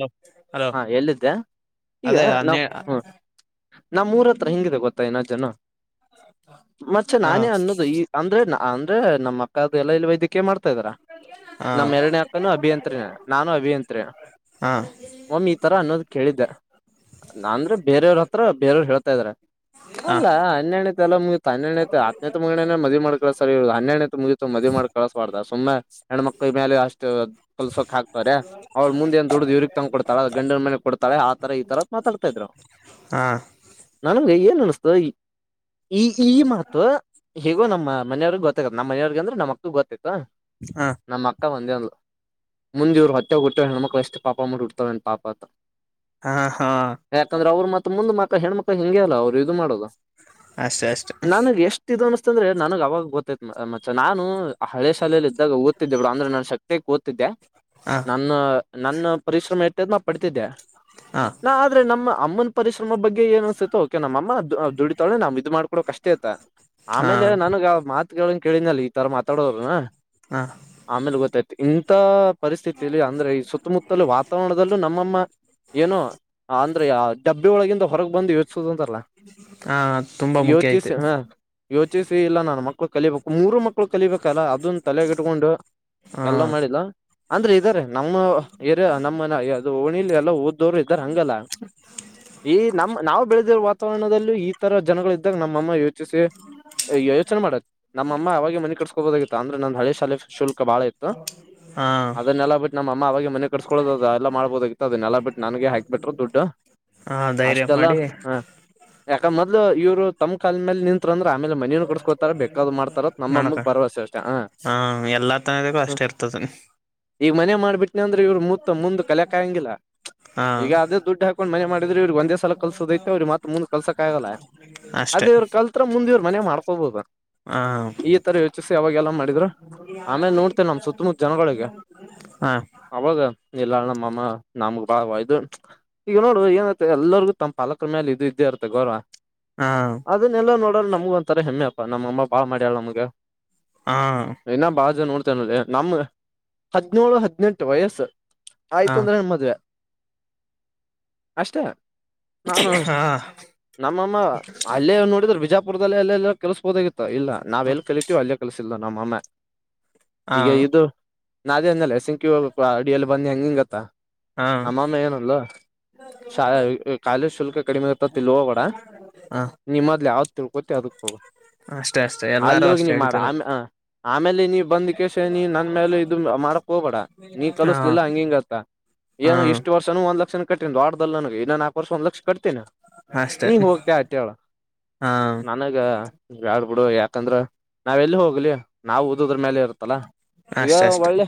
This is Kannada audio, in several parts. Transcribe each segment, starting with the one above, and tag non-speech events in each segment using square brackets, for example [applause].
ಹಲೋ. ಹಲೋ ಹಾ ಎಲ್ಲಿದ್ದೇ ಈಗ ಅದೇ ನ ಹನ್ನೆ ಹ್ಮ. ನಮ್ಮೂರು ಹತ್ರ ಹೆಂಗಿದೆ ಗೊತ್ತಾ ಇನ್ನ ಜನ. ಮತ್ತೆ ಹಾ ನಾನೇ ಅನ್ನೋದು ಈ ಅಂದ್ರೆ ನಾ ಅಂದ್ರೆ ನಮ್ಮ ಅಕ್ಕ ಅ ಎಲ್ಲ ಇಲ್ಲಿ ವೈದ್ಯಕಯ ಮಾಡ್ತ ಹಾ ನಮ್ಮ ಎರಡನೇ ಅಕ್ಕನು ಅಭಿಯಂತ್ರಿನೇ ನಾನು ಅಭಿಯಂತ್ರಿ. ಹಾ ಈ ತರ ಅನ್ನೋದ ಕೇಳಿದ್ದೆ ನಾಂದ್ರೆ ಬೇರೆಯವ್ರ ಹತ್ರ ಬೇರೆಯವರು ಹೇಳ್ತಾ ಇದಾರೆ. ಹಾ ಅಲ್ಲಾ ಹನ್ನೆಣ್ಣತೆ ಎಲ್ಲ ಮುಗಿತ ಹನ್ನೆಣನೆತ್ತ ಹತ್ನೇತ್ ಮುಗಿಸಿ ಮದವಿ ಮಾಡಿ ಕಳಿಸ್ತಾರೆ ಇವರದು ಮುಗಿತತು ಹನ್ನೆಣ್ಣತೆ ಮುಗಿತು ಮದುವೆ ಮಾಡಿ ಕಳ್ಸಬಾರ್ದ ಸುಮ್ಮನೆ ಹೆಣ್ಮಕ್ಳ ಮೇಲೆ ಅಷ್ಟು ಕಲ್ಸಕ್ ಹಾಕ್ತಾರ ಅವ್ರು ಮುಂದೆ ಏನ್ ದುಡ್ದು ಇವ್ರ ತಂದು ಕೊಡ್ತಾಳ ಗಂಡನ ಮನೆಗೆ ಕೊಡ್ತಾಳೆ ಆತರ ಈ ತರ ಮಾತಾಡ್ತಾ ಇದ್ರು ಹಾ ನನಗೆ ಏನ್ ಅನ್ [unintelligible] ಈ ಈ ಮಾತು ಹಗೋ ನಮ್ಮ ಮನೆಯವ್ರಗ ಗೊತ್ತ ನಮ್ಮ ಮನೆವ್ರಾಗಂದ್ರೆ ನಮ್ಮಕ್ಕೂಗೂ ಗೊತ್ತತ್ ಹಾ ನಮ್ಮ್ ಅಕ್ಕ ಒಂದೇ ಅಂದ್ಲು. ಮುಂದ ಇವ್ರು ಹೊಟ್ಟಾಗ ಹುಟ್ಟು ಹೆಣ ಮಕ್ಳು ಎಷ್ಟು ಪಾಪ ಅಪ್ಪ ಮಟ್ಟಿಡ್ತಾವನ್ ಪಾಪಾ ಅಂತಾ. ಹಾ ಹಾ ಯಾಕಂದ್ರೆ ಅವರು ಮತ್ತ ಮುಂದ ಮ ಅ ಹೆಣ್ಮಕ್ಳ ಹೆಂಗೆ ಅಲ್ಲ ಅವರು ಇದು ಮಾಡೋದು ಅಷ್ಟೆ ಅಷ್ಟೆ ನನಗೆ ಎಷ್ಟಿದ ಅನ್ನಿಸಿತು ಅತ್ತಂದ್ರೆ ನನಗ್ ಅವಾಗ ಗೊತ್ತೈತ್ ಮಚ್ಚಾ ನಾನು ಆ ಹಳೆ ಶಾಲೆಯಲ್ಲಿ ಇದ್ದಾಗ ಊ ಬಿಡ ಅಂದ್ರೆ ನನ್ ಶಕ್ತಿಗೆ ಗೊತಿದ್ದೆ ಹಾ ನನ್ನ ನನ್ನ ಪರಿಶ್ರಮ ಇಟ್ಟದ್ ನಾ ಪಡ್ತಿದ್ದೆ ಹಾ ನಾ ಆದ್ರೆ ನಮ್ಮ ಅಮ್ಮನ್ ಪರಿಶ್ರಮ ಬಗ್ಗೆ ಏನ್ ಅನ್ಸತ ಓಕೆ ನಮ್ಮ ಅಮ್ಮ ದುಡಿತಾಳೆ ನಾವ್ ಇದ ಮಾಡ್ಕಡೋಕ್ ಅಷ್ಟೇ ಇತ್ತ ಹಾ ಆಮೇಲೆ ನನಗ್ ಮಾ ಕೇಳಿದನಲ್ಲಿ ಈ ತರಾ ಮಾತಾಡೋ ಹಾ ಆಮೇಲೆ ಗೊತ್ತಾಯ್ತು ಇಂತ ಪರಿಸ್ಥಿತಲ್ಲಿ ಅಂದ್ರೆ ಈ ಸುತ್ತಮುತ್ತ ವಾತಾವರಣದಲ್ಲೂ ನಮ್ಮಮ್ಮ ಏನೋ ಅಂದ್ರೆ ಹಬ್ಬ ಒಳಗಿ ಹೊರಗೆ ಬಂದು ಸುಸ ತರಲ ಹಾ ತುಂಬಾ ಮುಖ್ಯ ಯೋಚಿ ಐತೆ ಹ ಯೋಚಿ ಸೇ ಇಲ್ಲ ನು ಮಕ್ಕಳು ಕಲಿಬೇಕು ಮೂರು ಮಕ್ಳು ಕಲಿಬೇಕಲ್ಲ ಅದನ್ನ ತಲೆಗಿಟ್ಕೊಂಡು ಹಾ ಎಲ್ಲ ಮಾಡಿದಲ್ಲ ಅಂದ್ರೆ ಇದಾರೆ ನಮ್ಮ ನಮ್ಮ ಓಣಲಿ ಎಲ್ಲ ಓದ್ದವ್ರು ಇದ್ದಾರೆ ಹಂಗಲ್ಲ ಈ ನಮ್ಮ್ ನಾವು ಬೆಳ ವಾತಾವರಣದಲ್ಲಿ ಇ ತರ ಜನಗಳು ಇದ್ದಾಗ ನಮ್ಮಅಮ್ಮ ಯೋಚಿಸಿ ಯೋಚನೆ ಮಾಡುತ್ತ ನಮ್ಮಅಮ್ಮ ಅವಾಗ ಮನೆ ಕಟ್ಸ್ಕೋಬಹದಾಗಿತ್ತು ಅಂದ್ರೆ ನ ಹಳೆ ಶಾಲೆ ಶುಲ್ಕ ಬಾಳ ಇತ್ತು ಹಾ ಅದನ್ನೆಲ್ಲ ಬಿಟ್ಟು ನಮ್ಮಅಮ್ಮ ಅವಾಗ ಮನೆ ಕಟ್ಸ್ಕೊಡೋದ ಅದ ಎಲ್ಲ ಮಾಡ್ಬೋದತದನ್ನೆಲ್ಲ ಬಿಟ್ಟ ನನ್ಗೆ ಹಾಕಿ ಬಿಟ್ಟರು ದುಡ್ಡು ಹಾ ಧೈರ್ಯ ಅಷ್ಟೆಲ್ಲ ಮಾಡಿ ಹ ಯಾಕತ್ ಇ ಇವರು ತಮ್ಮ್ ಕಾಲಲ್ ಮೇಲೆ ನಿಂತರಂದ್ರ ಆಮೇಲೆ ಮನಕೋತ ಬ ಮಾಡ್ತಾರ ನಮ್ಮ ಮಾಡಕ ಬರವಸೆ ಅಷ್ಟ ಹ ಹಾ ಎಲ್ಲಾ ತನದಕ್ಕೂ ಅಷ್ಟೇ ಇರ್ತದೆ ಈ ಮ ಮಾಡ್ಬಿಟ್ಟ ಇವ್ರರು ಮ ಮುಂದ್ ಕಲಿಯಕ ಆಂಗಿಲ್ಲ ಹಾ ಈಗ ಅದೇ ದುಡ್ಡು ಹಾಕೊಂಡ್ ಮನೆ ಮಾಡಿದ್ರೆ ಇವ್ರಗ್ ಒಂದೇ ಸಲ ಕಲ್ಸದೈಐತೆ ಅವ್ರಿಗೆ ಮಾತ್ರ ಮುಂದ್ ಕಲ್ಸಕ್ ಆಗಲ್ಲ ಅಷ್ಟೆ ಅದೇ ಇವ್ರು ಕಲ್ತ್ತ್ರ ಮುಂದ ಇವರ ಮನೆ ಮಾಡ್ಕೋಬೋುದು ಹಾ ಈ ತರ ಯೋಚಿಸಿ ಯಾವಾಗೆಲ್ಲ ಮಾಡಿದ್ರರು ಆಮೇಲೆ ನೋಡ್ತೆೇನೆ ನಮ ಸುತ್ತಮುತ್ತ ಜನಗಳಿಗೆ ಹಾ ಅವಾಗ ಎಲ್ಲಾ ನಮ್ಮಮ್ಮ ನಮ ಬಾ ಇದು ಈಗ ನೋಡು ಏನತ ಎಲ್ಲರಿಗೂ ತಮ್ಮ ಪಾಲಕರ ಮೇಲೆ ಇದು ಇದ್ದೇ ಇರುತ್ತೆ ಗೌರವ ಹಾ ಅದನ್ನೆಲ್ಲಾ ನೋಡ್ರ ನಮ್ಗ ಒಂತ ತ್ತರ ಹೆಮ್ಮೆಪ್ಪಾ ನಮ್ಮ ಅಮ್ಮ ಬಾಳ ಮಾಡಾಳ ನಮಗೆ ಹಾ ಏನಾ ಬ ಜೋ ನಮ್ ಹದಿನೇಳು ಹದಿನೆಂಟು ವಯಸ್ಸು ಆಯ್ತು ಹಾ ಅಂದ್ರೆ ನಮ್ಮ್ ಮದ್ವೆ. ಅಷ್ಟ. ನಾನು ಹಾ ನಮ್ಮಮ್ಮ ಅಲ್ಲೇ ನೋಡಿದ್ರರು ಬಿಜಾಪುರ್ ಪುರದಲ್ಲಿಲ್ಲ ಕೆಲಸ ಬೊದಾಗಿತ್ ಇಲ್ಲ ನಾವ ಎಲ್ಲಿ ಕಲಿತೀವಿ ಅಲ್ಲೇ ಕಲಸ ಇಲ್ಲ ನಮ್ಮ ಆಮ್ಮ ಹಾ ಈಗ ಇದು ನಾಅದೇ ಅಂದಲ್ಲಲೆ ಸಿಂಕಿ ಹೋಗ್ ಅಡಿಯಲ್ಲಿ ಬಂದಿ ಹೆಂಗ ಹಂಗತ್ತಾ. ಹಾ ನಮ್ಮಮ್ಮ ಏನಲ್ ಶಾ ಕಾಲೇಜ್ ಶುಲ್ಕ ಕಡಿಮೆ ಇತ ಇಲ್ವ ಕೂಡ ಹಾ ನಿಮ್ಮದ್ಲು ಯಾವತ್ ತಿಳ್ಕೋತಿ ಅದಕ್ ಹೋಗ ಅಷ್ಟೇ ಅಷ್ಟೇ ಎಲ್ಲಾರು ಅಲ್ಲಿೋಗಿ ಅಷ್ಟೇ ನೀ ಮಾಡ ಹೇಳ್ತಾರೆ ಆಮ ಆಮೇಲೆ ನೀ ಬಂದ ಕೆಸ ನೀ ನನ್ ಮೇಲೆ ಇದು ಮಾಡಕ್ ಹೋಗಬೇಡ. ನೀ ಹಾ ಕಲಸಲಿಲ್ಲ ಹಂಗಿಂಗತ್ತ ಹಾ ಏನು ಇಷ್ಟು ವರ್ಷನು ಒಂದ್ ಲಕ್ಷ ಕಟ್ಟಿ ಒ ಆಡ್ಲ್ ನನಗೆ ಇ ನಲ್ಕ ವರ್ ಒಂದ್ ಲಕ್ ಕಟ್ತೀನ ಅಷ್ಟೇ ನೀ ಹೋಗ್ತ ಆಟ ಹೇಳ ಹಾ ನನಗ. ಬಾಡ್ ಬಿಡು ಯಾಕಂದ್ರ ನಾವ್ ಎಲ್ಲಿ ಹೋಗ್ಲಿ ನಾವು ಉದ ಅದ್ರ ಮೇಲೆ ಇರುತ್ತಲ್ಲಾ ಈಗ ಅಷ್ಟ ಅಷ್ಟೆ ಒಳ್ಳೆ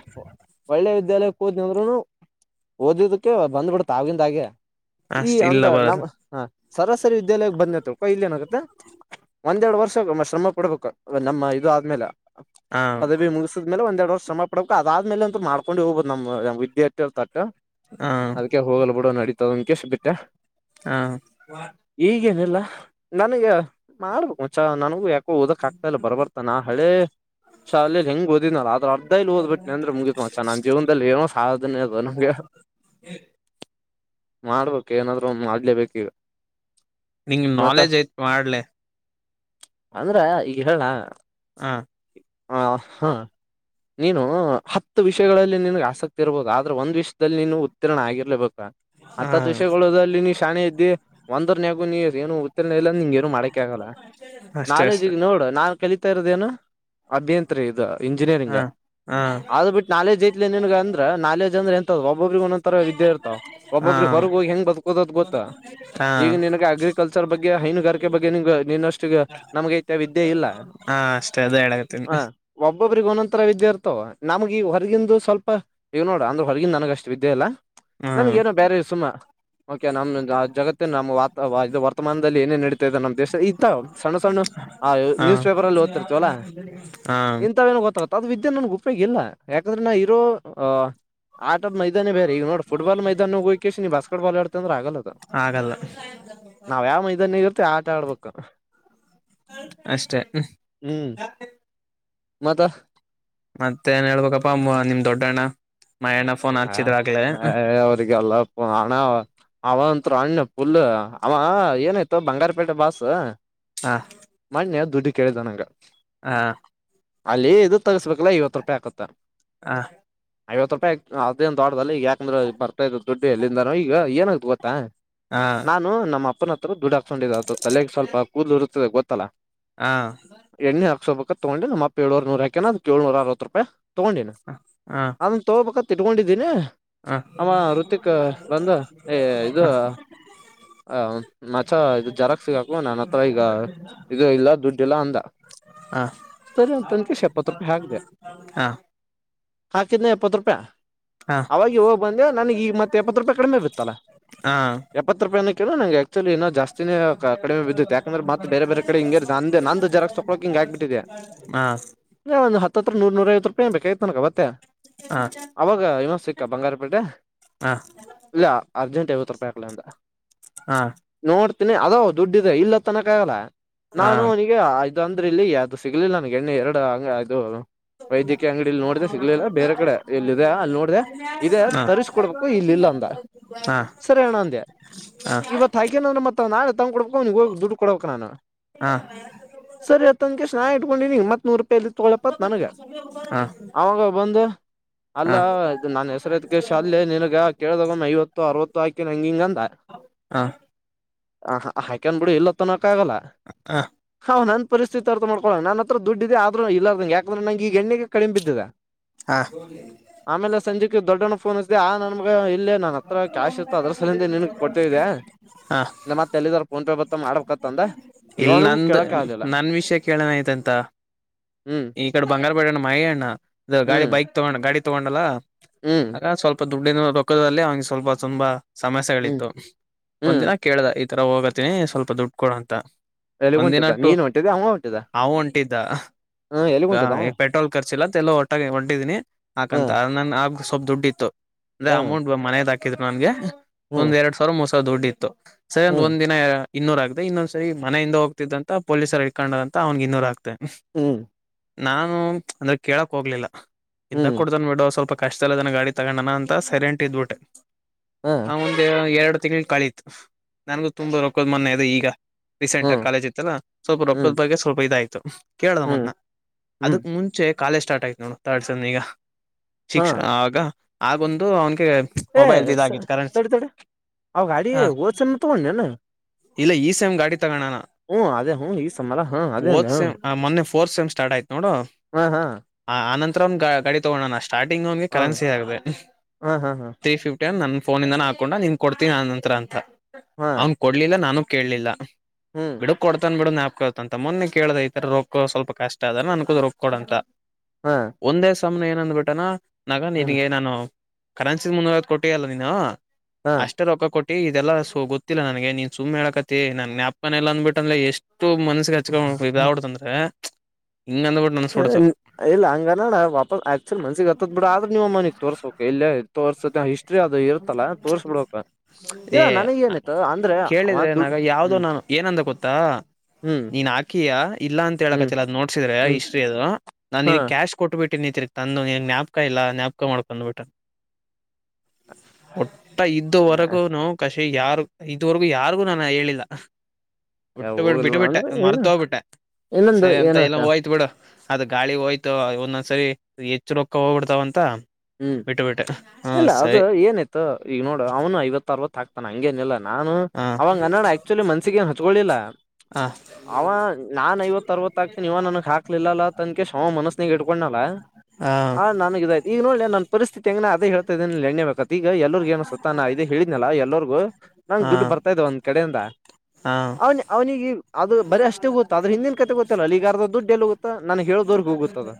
ವಿಶ್ವವಿದ್ಯಾಲಯಕ್ಕೆ ಹೊದನಂದ್ರುನು ಓದದಕ್ಕೆ ಬಂದ್ ಬಿಡತ ಆಗಿಂದ ಹಾಗೆ ಈ ಅಷ್ಟ ಅಂದ ಇಲ್ಲ ಬರದು ನಮ್ಮ ಹ ಸರಾಸರಿ [unintelligible] ಬಂದ್ಕ ಇಲ್ಲಿ ಏನಾಗುತ್ತೆ ಒಂದೆರಡು ವರ್ಷ ಶ್ರಮ ಪಡ್ಬೇಕು ನಮ್ಮ ಇದು ಆದ್ಮೇಲೆ ಹ ಪದವಿ ಮುಗಸಿದ್ಮೇಲೆ ಒಂದೆರಡು ವರ್ಷ ಶ್ರಮಪಡ್ಬೇಕು ಅದಾದ್ಮೇಲೆ ಅಂತ ಮಾಡ ಹೊಂಡ ಹೋಗಬದು ನಮ್ಮ್ ವಿಿದ್ಯಾರ್ಥ ತಟ್ಟ. ಹ ಅದ್ಕ ಹೋಗಲ್ ಬಿಡು ನಡೀತದ. ಕೆಸ ಬಿಟ್ಟ. ಹ್ಮ ನನಗ ಮಾಡ್ಬೇಕು ಮಚ್ಚ ನನ್ಗೂ ಯಾಕ ಕೊ ಓದಕ್ ಆಗ್ತ ಇಲ್ಲ ಬರ್ ಬರ್ತ ನಾ ಹಳೆ ಶಾಲೆಯಲ್ಲಿಲಿ ಹೆಂಗ ಓದಿನನ ಅ್ರ ಅರ್ಧ ಇಲ್ಲಿ ಓದ್ಬಿಟ್ಟು ಅಂದ್ರೆ ಮುಗಿತ್ ಚ ನಂಜೀವನದಲ್ಲಿ ಏನು ಸದನ [unintelligible] ಮಾಡ್ಬೇಕು ಏನಾದ್ರು ಒಂದ್ ಮಾಡ್ಲೇಬೇಕ್ ಈಗ ನಿಂಗ ಮತ್ತ ನಾಲೆಜ್ ಐತ್ ಮಾಡ್ಲೆ. ಅಂದ್ರ ಈಗ ಹೇಳ್ಳ ಹಾ ಹ ಹಾ ನೀನು ಹತ್ತು ವಿಷಯಗಳಲ್ಲಿ ನಿನಿಗ್ ಆಸಕ್ತಿ ಇರಬಹುದು ಆದ್ರೆ ಒಂದ್ ವಿಷ್ದಲ್ಲಿ ನೀನು ಉತ್ತೀರ್ಣ ಆಗಿರ್ಲೇಬೇಕ್ ಹ ಹತ್ತತ್ ವಿಷಯಗಳೋದಲ್ಲಿ ಶಾಣೆ ಇದ್ದಿ ಒಂದ್ ಯ ಕೊ ನೀ ಏನನು ಉತ್ತೀರ್ಣ ಇಲ್ಲ ಹಂಗ ಏನನು ಮಾಡಕಕ್ ಆಗಲ್ಲ ಅಷ್ಟೇ ನಾಲೆಜ ಅಷ್ಟೆ ನೋಡ ನಾ ಕಲಿತಾ ಇರೋದೇನು ಅಭ್ಯಂತರ ಇದು ಹ ಇಂಜಿನಿಯರಿಂಗ್ ಹ ಆದ ಬಿಟ್ಟಿ ನಾಲೆಡ್ಜ್ ಐತ್ ಲೇ ನಿನ್ಗ ಅಂದ್ರೆ ನಾಲೆಜ್ ಇ ತ ಒಬ್ಬೊಬ್ರಿಗ್ ಒಂದೊಂತರ ವಿದ್ಯೆ ಇರ್ತಾವ್ ಹ ಒಬ್ಬೊಬ್ರಿಗ್ ಹೊರಗ್ ಹೋಗಿ ಹೆಂಗ್ ಬದುಕೋದ್ ಅದ್ ಗೊತ್ತ ಹ ಹ ಈಗ ನಿನಗೆ ಅಗ್ರಿಕಲ್ಚರ್ ಬಗ್ಗೆ ಹೈನುಗಾರಿಕೆ ಬಗ್ಗೆ ನಿನ್ಗೆ ನಿನ್ನಷ್ಟ ನಮ್ಗೈತಿ ವಿದ್ಯೆ ಇಲ್ಲ ಅಷ್ಟೇ ಅದೇ ಹೇಳಕತ್ತೀನಿ ಹ ಒಬ್ ಒಬ್ಬೊಬ್ಬರಿಗೆ ಒಂದೊಂತರ ವಿದ್ಯಾ ಇರ್ಥಾವ ನಮಗೆ ಹೊರಗಿಂದು ಸ್ವಲ್ಪ ಈಗ್ ನೋಡು ಅಂದ್ರೆ ಹೊರಗಿಂದ್ ನನಗ್ ಅಷ್ಟು ವಿದ್ಯೆ ಇಲ್ಲ ಹ್ಮ್ ನಮಗೇನು ಬೇರೆ ಸುಮ ಓಕೆ ನಮ್ ಜಾ ಜಗತ್ತಿನ ನಮ್ಮ್ ವಾತ ವಾ ಇದು ವರ್ತಮಾನದಲ್ಲಿ ಏನೇನ್ ನಡಿತದೆ ನಮ್ಮ್ ದೇಶ ಇಂತ ಸಣ್ಣ ಸಣ್ಣ ಆ ಹ ನ್ಯೂಸ್ ಪೇಪರ್ಲ್ಲಿ ಓದ್ತಿರ್ತಿವಲ್ಲಾ ಹ ಇಂಥವೇನ್ ಗೊತ್ತಾಗುತ್- ತಂದು ವಿದ್ಯೆ ನನಗೆ ಉಪಯೋಗ ಇಲ್ಲ ಯಾಕಂದ್ರೆ ನಾ ಇರೋ ಅಹ ಆಟದ್ ಮೈದಾನಿ ಬೇರೆ ಈಗ ನೋಡ್ ಫುಟ್ಬಾಲು ಮೈದಾನ ಹೋಗಕೆಷ್ಟ ನೀ ಬಾಸ್ಕೆಟ್ ಬಾಲ್ ಆಡ್ತಂದ್ರ ಆಗಲ್ಲದ ಆಗಲ್ಲ ನಾವ್ ಯಾವ ಮೈದಾನಿ ತ್ತೆ ಆಟ ಆಡ್ಬೇಕು ಅಷ್ಟೆ ಉಹ್ಮ್ ಮತೆ ಮತ್ತೆ ಏನ್ ಹೇಳ್ಬೇಕಪ್ಪ ಅಮ್ಮ ನಿಮ್ ದೊಡ್ಡಣ್ಣ ಮಯಣ್ಣ ಫೋನ್ ಹ ಹಚ್ಚಿದ್ರಾಗ್ಲೇ ಅವ್ರಿಗೆಲ್ಲಪ್ಪ ಅಣ ಅವ ಅಂತ್ರು ಅಣ್ಣ ಪುಲ್ ಅವ ಏನಾಯ್ತು ಬಂಗಾರಪೇಟೆ ಬಾಸೂ ಹಾ ದುಡ್ಡು ಕೇಳಿದ ನಂಗ ಹಾ ಅಲ್ಲಿ ಇದು ತಗಸ್ಬೇಕಲ್ಲ ಐವತ್ ರೂಪಾಯಿ ಆಕುತ್ತ ಹ ಐವತ್ ರೂಪಾಯಿಗ್ ಅದೇ ಒ ದೊಡ್ದದಲ್ಲಿ ಈ ಯಾಕಂದ್ರೆ ಬತ [unintelligible] ದುಡ್ದು ಎಲ್ಲಿಂದಾನ ಈಗ ಏನು ಹ ನಾನು ನಮ್ಮ [unintelligible] ಬಿಡಾಕ್ ಕೊಂಡಿದ ಅ ತಲೆಗೆ ಸ್ವಲ್ಪ ಹ ಕೂರು [unintelligible] ಗೊತ್ತಲ್ಲಾ ಹ ಎಣ್ಣೆ ಹಾಕ್ಸೋಬೇಕ ತಗೊಂಡಿ ನಮ್ಮಪ್ಪ ಎಳ್ಳೂವರಿನೂರು ಹಾಕ್ಯನ ಅದು ಎಳನುರಾ ಅರವತ್ ರೂಪಾಯಿ ತಗೊಂಡಿನ ಹ ಹ ಅ ತಗೋಬೇಕ ತಿಟ್ಕೊಂಡಿದ್ದೀನ ಹ ಹ ಹ ಅವ ರುತಿಕು ಬಂದ ಏ ಹ ಹ ಇದು ಆ ಆ ಮಚ್ಚ ಇದು ಜರಾಕ್ಸುಗ ಹಾಕಿ ನನ್ ಹತ್ರ ಈಗ ಇದು ಇಲ್ಲ ದುಡ್ಡಿಲ್ಲ ಅಂದ ಹ ಸರಿ ಅಂತಂದ್ವಿ ಶಪ್ಪತ್ ರೂಪಾಯಿ ಹಾಕ್ದೆ ಹಾಂನ್ನಪ್ಪತ್ತು ರೂಪಾಯಾ ಅವಾಗೆ ಹೋಗ್ ಬಂದೆ ನನಗ್ ಈಗ ಮತ್ತೆ ಎಪ್ಪತ್ತು ರೂಪಾಯಿ ಕಡಿಮೆ ಬಿತ್ತಲ್ಲ ಎಪ್ಪತ್ತು ರೂಪಾಯಿನ- ಕೆಲೋ ನಂಗೆ ಇ ಜಾಸ್ತನೇ ಕಡಿಮೆ ಬಿದ್ದಿತ್ ಯಾಕಂದ್ರೆತ್ತ ಬೇರೆ ಬೇರೆ ಕಡೆ ಹಿಗೆ ನಂದೇ ನಾಂದು ಜೆರಾಕ್ಸ್ ತೊಕೊಕ್ ಹಿಂಗ ಹ ಆಗ್ಬಿಟ್ಟಿದೆ ಒಂದ ಹತ್ರ ನೂರ್ ನೂರ ಐ ಭೆ ಬೇಕೆ ನ ಅವತ್ತೆ ಅವಾಗ ಇವ ಸಿಕ್ಕ ಬಂಗಾರಪೇಟೆ ಇಲ್ಲ ಅರ್ಜೆಂಟಾಗ್ ಐವತ್ತು ಸಾವ್ರೂಪಾಯ್ [unintelligible] ಅಂತ ಹಾ ನೋಡ್ತೀನಿ ಅದೋ ದುಡ್ಡಿದ್ರ ಇಲ್ಲ ತನಕ ಆಗಲ್ಲ ಹ ನಾನು ಹ ಅವ್ನಿಗೆ ಇದು ಅಂದ್ರೆ ಇಲ್ಲಿ ಯಾವ್ದು ಸಿಗ್ಲಿಲ್ಲ ನನ್ಗೆ ಎಣ್ಣೆ ಎರಡು ಹಂಗ ಅದುದು ವೈದ್ಯಕೀ ಅಂಗ್ಡಿಲ್ ನೋಡ್ದೆ ಸಿಗ್ಲಿಲ್ಲ ಬೇರೆ ಕಡೆ ಇಲ್ ಇದೆ ಅಲ್ ನೋಡಿದೆ ಇದೆ ಹಾ ತರಿಸ್ಕೊಡ್ಬೇಕು ಇಲ್ಲಿ ಇಲ್ಲ ಅಂದ ಹಾ ಸರಿ ಅಣ್ಣ ಅಂದೆ ಇವತ್ ಹಾಗೇನಂದ್ರೆ ಮತ್ತ ನಾ ತಂದ್ಕೊಡ್ಬೇಕು ಅವ್ನಿಗ್ ಹೋಗಿ ದುಡ್ ಕೊಡ್ಬೇಕ್ ನಾನು ಹಾ ಸರಿ ಆಯ್ತಂಗೆ ಚಾ ಇಟ್ಕೊಂಡಿನಿ ಮತ್ ನೀನ್ ಲ್ಲಿ ತಗೊಳಪ್ಪತ್ ನನ್ಗ ಹಾ ಹಾ ಅವಾಗ ಬಂದು ಅಲ್ಲ ಹಾ ಇ ನನ್ ಹೆಸರುತ್ಕ ಶ ಅಲ ನಿನ್ಗ ಕೇಳ್ದಾಗಮ್ಮ ಐವತ್ತು ಅರವತ್ತು ಹಾಕಿನ ಹಂಗ ಹಿಂಗಂದ ಹಾ ಹ ಅಹ ಹಾಕ್ಯಾನ್ಬಿಡಿ ಇಲ್ಲತ್ತನ ಕಾಗಲ್ಲ ಹಾ ನನ್ ಪರಿಸ್ಥಿತಿ ಅರ್ಥ ಮಾಡ್ಕೊಳೋ ನನ್ ಹತ್ರ ದುಡ್ಡಿದೆ ಆದ್ರರು ಇಲ್ಲದ ಯಾಕಂದ್ರೆ ನಂ ಈಗೆ ಎಣ್ಣಿಗ ಕಡಿಮ ಬಿದ್ದಿದೆ ಹಾ ಆಮೇಲೆ ಸಂಜೆಕ್ಕೆ ದೊಡ್ಡಣ ಫೋನ್ ಹಚ್ಚದೆ ಆ ನನ್ ಮಗ ಎಲ್ಲಿ ಕೊಡ್ತಿದ್ದೆ ಹ ಮತ್ತೆ ಎಲ್ಲಿದಾರ ಫೋನ್ ಪೇ ಬತ್ತ ಮಾಡ್ಬೇಕತ್ತಂದ ಈಗ ಇಲ್ಲಿ ಅವನಿಗೂ ನಂದು ಕೇಳಕ್ ಆಗ್ಲಿಲ್ಲ ನನ್ ವಿಷಯ ಕೇಳೋಣ ಆಯ್ತಂತ ಹ್ಮ್ ಈ ಕಡೆ ಬಂಗಾರ ಬಡ ಅಣ್ಣ ಮೈ ಅಣ್ಣ ಗಾಡಿ ಹ್ಮ್ ಬೈಕ್ ತಗೊಂಡಣ ಗಾಡಿ ಹತ್ತ ಮಂಡಲ ಹ್ಮ್ ಆಗ ಸ್ವಲ್ಪ ದುಡ್ಡು ಏನಾದ್ರೂ ಕುಕ್ಕದಲ್ಲಿ ಅವಂಗೆ ಸ್ವಲ್ಪ ತುಂಬಾ ಹ್ಮ್ ಸಮಸ್ಯೆಗಳಿತ್ತು ಒಂದ ಹ್ಮ್ ದಿನ ಕೇಳ್ದ ಇ ತರ ಹೋಗತಿನಿ ಸ್ವಲ್ಪ ದುಡ್ಡು ಕೊಡ ಅಂತ. ಎಲ್ಲಿಗ್ ಹೊಂಟಿದ ಒಂದಿನಟ್ಟು ನೀನ್ ಹೊಂಟಿದೆ ಅವ ಹೊಂಟಿದ ಹವು ಹೊಂಟಿದ್ದ ಹ್ಮ ಎಲ್ಲಿಗ್ ಹೊಂಟಿದ ಅವ ಪೆಟ್ರೋಲ್ ಖರ್ಚಿಲ್ಲತ್ತ ಎಲ್ಲ ಹೊಟ್ಟಾಗಿ ಹೊಂಟಿದೀನಿ ಹಾಕಂತ ಹ್ಮ್ ನ ಆ ಸ್ವಲ್ಪ ದುಡ್ಡಿತ್ತು. ಅದೇ ಹ್ಮ್ ಅಮೌಂಟ್ ಮನೆಯಿಂದ ಹಾಕಿದ್ರು ನನ್ಗೆ. ಹ್ಮ್ ಒಂದ್ ಎರಡು ಸಾವಿರ ಮೊಸ ಸ ದುಡ್ಡಿತ್ತು. ಸರಿ ಹ್ಮ್ ಒಂದ್ ದಿನ. ಇನ್ನೂರ ಆಗದೆ ಇನ್ನೊಂದ್ ಸರಿ ಮನೆಯಿಂದ ಹೋಗ್ತಿದ್ದಂತ ಪೊಲೀಸರ್ ಇಟ್ಕೊಂಡದ ಅಂತ ಅವನ್ಗೆ ಇನ್ನೂರು ಅಕ್ದೆ [unintelligible] ನಾನು ಅಂದ್ರ ಕೇಳಕ್ ಹೋಗ್ಲಿಲ್ಲ. ಹಿಂದ ಹ್ಮ್ ಕೊಡ್ದನ್ ಬಿೇಡ ಸ್ವಲ್ಪ. ಕಷ್ಟದಲ್ಲಿಲ್ಲದನ ಗಾಡಿ ತಗೊಂಡಣ ಅಂತ ಸೈಲೆಂಟ್ ಇದ್ಬಟ್ಟೆ. ಹ್ಮ್ ಹ ಒಂದ ಎರಡು ತಿಂಗಳ ಕಳೀ ನನ್ಗೂ ತುಂಬಾ ರೊಕ್ಕದ್ ಮೊನ್ನೆ ಇದೆ ಈಗ. ರೀಸೆಂಟ ಆಗ ಹ್ಮ್ ಕಾಲೇಜ ಇತ್ತಲ್ಲ ಸ್ವಲ್ಪ ಹ್ಮ್ ರೊದದಾಗೆ ಸ್ವಲ್ಪ ಇದ ಆಯಿತ್ ತ ಹ್ಮ್ ಹ್ಮ್ ಕೇಳದಮ್ಮನ್ನ ಹ್ಮ್ ಅದಕ್ ಮುಂಚೆ ಕಾಲೇಜ ಸ್ಟಾರ್ಟ್ ಆಯತ ನೋ ತರ್ಡ್ ಸೆಮ ಈಗ ಹಾ ಶಿಕ್ಷ ಆಗ ಆಗೊಂದು ಅವನ್ [unintelligible] ಏ ಸ ತಡಿ ತಡಿ ಅವ ಗಾಡಿ ಹ ಹೋದ್ಸಲ ತಗೊಂಡ ಏನು ಇಲ್ಲ ಈ ಸೇಮ್ ಗಾಡಿ ಗಣ ಅದೇ ಹ್ಮ ಈ ಸಮ್ಮಲ ಹಾ ಅದೇ ಅಂದ ಒದ್ ಸೆಮ್ ಮೊನ್ನೆ ಫೋರ್ತ್ ಸಮ್ ಸ್ಟಾರ್ಟ್ ಆಯ್ತು ನೋಡು ಹ ಹಾ ಆನಂತ ತ್ರ ಗಾಡಿ ತಗೊಂಡವನೇನಷ್ಟ ಸ್ಟಾರ್ಟಿಂಗ್ ಅವನ್ಿಗೆ ಹಾ ಕರೆನ್ಸಿ ಆಗಿದೆ ಹಾ ಹಾ ಹಾ ಹಾ ತ್ರೀ ಫಿಫ್ಟಿ ಅಂದ ನನ್ ಫೋನಿಂದ ಹಾಕೊಂಡ ನಿನ್ ಕೊಡ್ತೀವಿನಿ ನನ್ನ ಅನಂತ್ರ ಅಂತ. ಹಾ ಟ ನಾನು ಕೇಳಲಿಲ್ಲ. ಹ್ಮ್ ಬಿಡು ಕೊಡ್ತನ್ ಬಿಡು ನಪ ಅಂತ ಮೊನ್ನೆ ಕೇಳಿದ ಈ ತರ ರೊಕ್ಕ ಸ್ವಲ್ಪ ಕಷ್ಟ ಅದ ನನಗು ಅಂತ ರೊಕ್ಕ ಕೊಡ ಅಂತ. ಹಾ ಒಂದೇ ಸಾಸ್. ಸಾಮ್ನೆ ಏನಂದ್ಬಿಟ್ಟನಾ ನಗ ಹ್ಮ್ ನಿನಗೆ ನಾನು ಕರೆನ್ಸಿ ಮುನ್ನೂರೈವತ್ತು ಕೊಟ್ಟಿಯಲ್ಲ ನೀನು ಹಾ ಅಷ್ಟ ರೊಕ ಕೊಟ್ಟು ಏ ಇದೆಲ್ಲ ಸೊ ಗೊತ್ತಿಲ್ಲ ನನಗೆ ನೀ ಸುಮ್ಮ ಹೇಳಕತಿ ನಂಗ ಜ್ಞಾಪಕ ಇಲ್ಲ ಅಂದಬಿಟ್ಟ ಲೇ ಎಷ್ಟು- ಇಷ್ಟು ಮನಸ್ಸಿಗೆ ಹಚ್ಕೊಂಡ ಇದಾಗಿ ಬಿಡ್ತು ಅಂದ್ರೆ. ಹ ಇಲ್ಲ ಹಂಗ ನೋಡ ವಾಪಸ್ ಆಕ್ಚುಲಿ ಮನ್ಸಿಗೆ ಹತ್ತದ್ ಬಿಡ ಆದ್ರೆ ನೀವ ಮನೆಗ್ ತೋರ್ಸೋಕು ಇಲ್ಲೇ ತೋರಸತ ಹಿಸ್ ಅದು ಇರುತ್ತಲ್ಲ ತೋರ್ಸ್ ಬಿಡ್ಬೇಕೂ ಇಲ್ಲ ಏ ನನಗ ಏನಿತ್ತು ಅಂದ್ರೆಅವ ಕೇಳಿದ್ರೆ ನಾಗ ದುಡ್ಡು ಯಾವ್ದೋ ಹ್ಮ್. ನಾನು ಏನಂದ ಗೊತ್ತಾ. ಹ್ಮ್ ನೀನ್ ಹಾಕಿಯಾ ಇಲ್ಲಾ ಅಂತ ಹ್ಮ್ ಹೇಳಕತ್ತಿಲ್ಲ ಅದ್ ನೋಡ್ಸಿದ್ರೆ ಹ್ಮ್ ಹಿಸ್ಟ್ರಿ ಅದು ನಾನ್ ಹಾ ನಿನ್ಗೆ ಕ್ಯಾಶ್ ಕೊಟ್ಬಿಟ್ಟ ತಿರ್ ತಂದುಗ ಜ್ಞಾಪಕ ಇಲ್ಲ ನ್ಯಾಪಕಾ ಮಾಡ್ಕೊಂಡ್ಬಿಟ್ಟ. [unintelligible] ಇದ್ದುವರೆಗೂ ನೋವು ಕಷ್ಟ ಎ ಯಾರು ಇದುವರೆಗೂ ಯಾರಿಗೂ ನಾನು ಹೇಳಿಲ್ಲ. ಉಟ್ಟು ಬಿಡ್ ಹೋಗಲ್ವ ಬಿಟ್ಟಬಿಟ್ಟೆ ಅಂದ್ರೆ ಮರ್ತೋಗ್ಬಿಟ್ಟ ಇನ್ನೊಂದು ಸರಿ ಅಂತ ಎಲ್ಲ ಏನತ್ತ ಹೋಯ್ತು ಬಿಡು. ಅದ ಗಾಳಿ ಹೋಯ್ತು ಒಂದೊಂದ್ಸರಿ ಹೆಚ್ಚು ರೊಕ್ಕ ಹೋಗ್ಬಿಡ್ತಾವಂತ. ಬಿಟ್ಟು ಬಿಟ್ಟೇ ಹಾ ಸರಿ. ಏನಾಯ್ತೊ ಈಗ ನೋಡ ಅವನು ಐವತ್ ಅರವತ್ ಹಾಕ್ತಾನ ಹಂಗೇನಿಲ್ಲ. ನಾನು ಹಾ ಅವಂಗ ಅನ್ನಣ್ಣ ಆಕ್ಚುಲಿ ಮನ್ಸಿಗೆಗೇನ್ ಹಚ್ಕೊಳ್ಳಳಿಲ್ಲ ಹ ಅವ ನಾನ ಐವತ್ತು ಅರವತ್ತ ಗ ನೀವ ನನಗ್ ಹಾಕ್ಲಿಲ್ಲಲ್ಲ ಅಂತ ಅಂಕೇಸಿ ಅವ ಮನಸ್ಸನಿಗೆ ಇಟ್ಕೊಂಡಲ್ಲ ಹ ಆ ನನಗ ಇದಾಯ್ತ ಈಗ ನೋಡ್ಲೆ ನನ್ ಪರಿಸ್ಥಿತಿ ಹೇಗೆ ಅದೇ ಹೇಳ್ತಿದೀನಿ ಎಣ್ಣೆ ಬೇಕು ಈ ಎಲ್ಲರಿಗೂ ಏನ್ ಅನಸ್ತಾ ಸುತ್ತ ನಾ ಇದೇ ಹೇಳಿದನಲ್ಲ ಎಲ್ಲರಿಗೂ ನಂಗ್ ಹಾ ದುಡ್ಡು ಬರ್ತಾ ಇದ್ದವಂತ ಅನಿಸ್ತ ಕಡೆಯಿಂದ ಹಾ ಅವನ ಅವನಿಗೆ ಅದು ಬರೇ ಅಷ್ಟೇ ಗೊತ್ತು ಅದರ ಹಿಂದಿನ್ ಕತೆೆ ಗೊತ್ತಿಲ್ಲ ಅರ್ದ ದುಡ್ಡು ಎಲ್ಲಿ ಹೋಗುತ್ತ ನನ್ಗೆ ಹೇಳದೋರಗ್ ಗೊತ್ತು. ಗೊತ್ತಾದ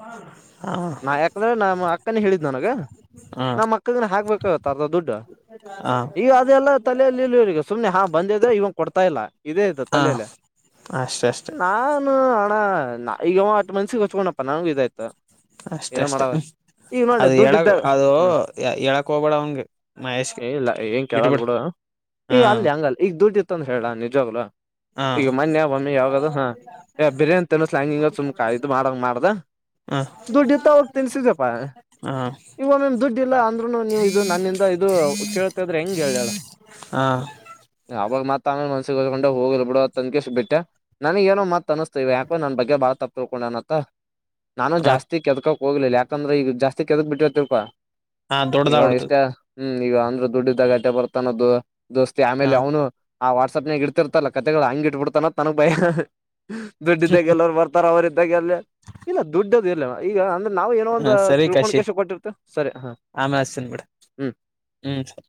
ಹಾ ನಾ ಯಾಕಂದ್ರೆ ಹೇಳಿದ್ ನನಗ ಹಾ ನಾ ಮಕ್ಳನ್ ಹಾಕ್ಬೇಕು. ಕ ತಗೊ ದುಡ್ಡಾ ಹಾ ಈಗ ಅದೆಲ್ಲ ತ ಇಲ್ಲಲ್ಲಿ ಇವರಿಗೆ ಸುಮ್ನೆ ಹಾ ಬಂದಿದೆ ಇವಂಗ್ ಕೊಡ್ತಾ ಇಲ್ಲ ಇದೇಯ್ತ ಹಾ ತಲೇಲಿ ಅಷ್ಟೆ ಅಷ್ಟೆ ನಾನು [unintelligible] ನಾಯಗ [unintelligible] ಮನ್ಸಿಗೆಗೆ ಹಕೋಪ್ಪ ನಾಗೆ ಇದ್ ಆಯ್ತು ತ್ತ ಅಷ್ಟೇ ಅಷ್ಟೇ ಅದು ದುಡ್ಡ ಹೇಳಕ್ಕೆ ಇದ್ದಾಗ ಅದು ಹ್ಮ್ ಹೇಳಕ್ಕೆ ಹೋಗ್ಬೇಡ ಅವನಿಗೆ ಮಹೇಶ್ಗೆ ಏನಿಲ್ಲ ಏನ್ ಬಿಟ್ಬಿಡ ಹಾಂ ದುಡ್ ಇತ್ತು ಅಂತ ಹೇಳಾ ನಿಜವ್ಲು [unintelligible] ಈಗ ಮನ್ಯ ಮೊಮ್ಮಿ ಯಾವಾಗದು ಹಾ ಯ ಬಿರಿಯಾನಿ ತನ್ಸ್ಲಾಂಗಿಂಗ ಸುಮ್ಕ ಇದದು ಮಾಡಂಗ ಮಾಡ್ದ ಹ ಹ ದುಡ್ಡು ಇತ್ತಾವಾಗ ತಿನ್ಸಿದಪ್ಪಾ ಹ ಇವ ಮೇಮ್ ದುಡ್ಡಿ ಇಲ್ಲ ಅಂದ್ರುನು ನೀವು ಇದು ನನ್ನಿಂದ ಇದು ಕೇಳ್ತ ಇದ್ರೆ ಹೆಂಗ್ ಹೇಳ್ದಾಳ ಹ ಅವಾಗ ಮಾತಾ ನ ಮನ್ಸಿಗೆಕೊಂಡ ಹೋಗಿ ಬಿಡ ತನ್ ಬಿಟ್ಟೆ ನನಗ ಏನೋ ಮತ್ ಅನಿಸಸ್ತೇವಿ ಯಾಕೋ ನನ್ ಬಗೆ ಬಾಳ ತ ತಿಳ್ಕೊಂಡನ ನಾನು ಜಾಸ್ತಿ ಕೆದಕೋ ಹೋಗಲಿಲ್ಲ ಯಾಕಂದ್ರೆ ಈಗ ಜಾತಿ ಅಕಿ ಎದ್ಕ ಬಿಟ್ಟಳ್ ತಿಳ್ಕೊ ಹಾ ದೊಡದಾ ಆಗುಡ್ದಾದು ಹ್ಮ್ ಈಗ ಅಂದ್ರೆ ದುಡ್ಡಿದಗಾಟೆ ಬರ್ತಾನದು ದೋಸ್ತಿ ಹ ಆಮೇಲೆ ಅವನು ಆ ವಾಟ್ಸಾಪ್ನಾಗ ಇಡ್ತಿರ್ತಲ್ಲ ಕತೆೆಗಳು ಹಂಗಿ ಇಟ್ಬ ಬಿಡ್ತಾನ ತನಗ್ ಭಯ ದುಡ್ಡಿದ್ದಾಗ ಎಲ್ಲ್ರು ಬರ್ತಾರ ಅವ್ರ [unintelligible] ಅ ಇಲ್ಲ ದುಡ್ಡದು ಇಲ್ಲ ಈಗ ಅಂದ್ರ ನಾವು ಏನೋ ಒಂದು ತಿಳ್ಕೊಂಡ್ [unintelligible] ಕೇಶ ಕೊಟ್ಟಿರ್ತ ಸರಿ ಹಾ ಆಮ ಆ ಬಡ ಹ್ಮ್ ಹ್ಮ್